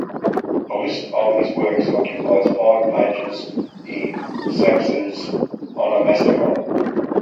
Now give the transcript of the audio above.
The list of his works occupies five pages in Saxe's "Onomasticon".